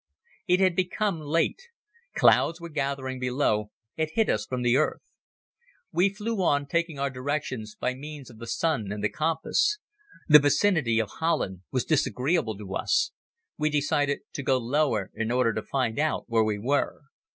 It had become late. Clouds were gathering below and hid from us the earth. We flew on, taking our direction by means of the sun and the compass. The vicinity of Holland was disagreeable to us. We decided to go lower in order to find out where we were.